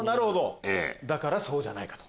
だからそうじゃないか？と。